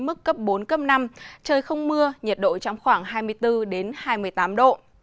mức cấp bốn năm trời không mưa nhiệt độ trong khoảng hai mươi bốn hai mươi tám độ